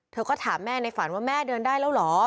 เธอก็ถามแม่ในฝันว่าแม่เดินได้แล้วเหรอ